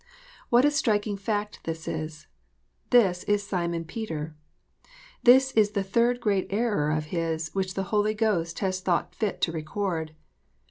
What a striking fact this is. This is Simon Peter ! This is the third great error of his, which the Holy Ghost has thought fit to record